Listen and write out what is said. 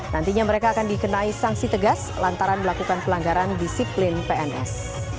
nantinya mereka akan dikenai sanksi tegas lantaran melakukan pelanggaran disiplin pns